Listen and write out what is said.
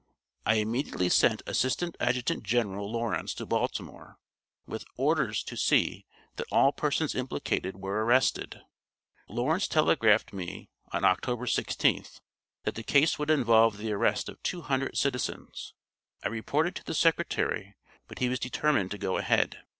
I immediately sent Assistant Adjutant General Lawrence to Baltimore with orders to see that all persons implicated were arrested. Lawrence telegraphed me, on October 16th, that the case would involve the arrest of two hundred citizens. I reported to the Secretary, but he was determined to go ahead.